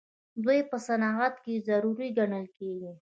دوی په صنعت کې ضروري ګڼل کیږي.